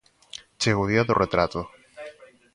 Chega o día do retrato.